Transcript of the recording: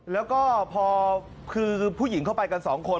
แล้วก็พอคือผู้หญิงเข้าไปกันสองคน